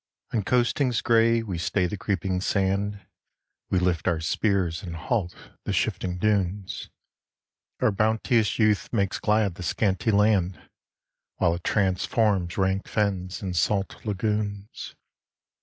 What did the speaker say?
On coastings gray we stay the creeping sand; We lift our spears and halt the shifting dunes; Our bounteous youth makes glad the scanty land, While it transforms rank fens, and salt lagunes.